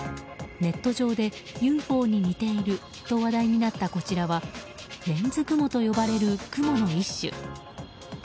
ネット上で、ＵＦＯに似ていると話題になったこちらはレンズ雲と呼ばれる雲の一種。